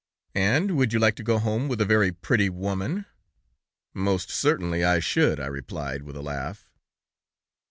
'And would you like to go home with a very pretty woman?' "'Most certainly I should,' I replied, with a laugh.